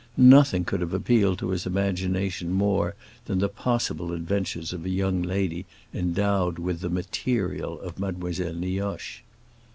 Nothing could have appealed to his imagination more than the possible adventures of a young lady endowed with the "material" of Mademoiselle Nioche.